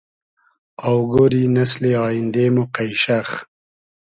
آوگۉۮی نئسلی آییندې مۉ قݷشئخ